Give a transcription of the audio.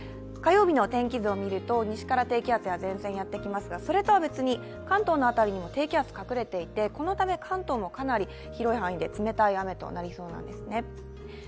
火曜日の天気図を見ると、西から低気圧の前線がやってきますが、それとは別に関東の辺りにも低気圧隠れていて、このため、関東もかなり広い範囲で冷たい雨となりそうなんですね。